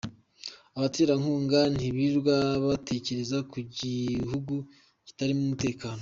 Abaterankunga ntibirirwa batekereza ku gihugu kitarimo umutekano.